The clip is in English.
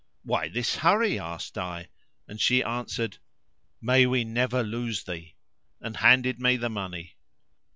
"Why this hurry?" asked I and she answered, "May we never lose thee!"[FN#524] and handed me the money.